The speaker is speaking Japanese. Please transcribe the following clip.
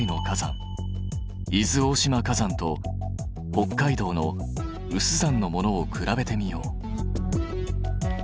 伊豆大島火山と北海道の有珠山のものを比べてみよう。